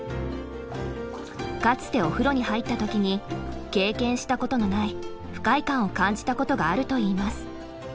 かつてお風呂に入った時に経験したことのない不快感を感じたことがあるといいます。